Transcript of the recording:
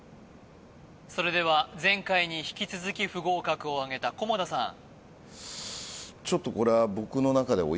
それでは前回に引き続き不合格をあげた菰田さん